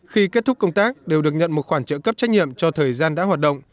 khi kết thúc công tác đều được nhận một khoản trợ cấp trách nhiệm cho thời gian đã hoạt động